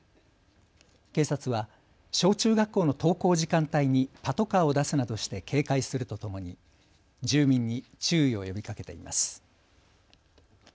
警察は小中学校の登校時間帯にパトカーを出すなどして警戒するとともに住民に注意を呼びかけています。